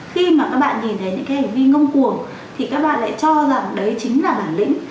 khi mà các bạn nhìn thấy những cái hành vi ngông cuồng thì các bạn lại cho rằng đấy chính là bản lĩnh